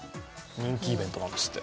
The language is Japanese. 人気イベントなんですって。